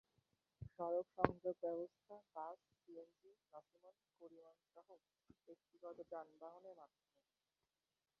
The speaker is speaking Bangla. সড়ক যোগাযোগ ব্যবস্থা বাস, সিএনজি, নসিমন, করিমনসহ ব্যক্তিগত যানবাহনের মাধ্যমে।